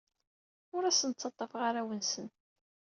Ur asen-ttaḍḍafeɣ arraw-nsen.